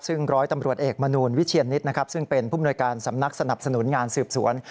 ซึ่งร้อยตำรวจเอกมนูลวิเชียนนิตนะครับซึ่งเป็นผู้มนวยการสำนักสนับสนุนงานสืบสวน